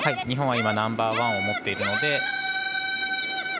日本はナンバーワンを持っているので。